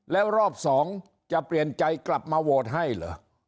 แล้วรอบ๒จะเปลี่ยนใจกลับมาโหวตให้เหรอ